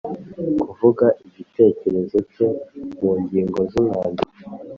Kuvuga igitekerezo cye mu ngingo z’umwandiko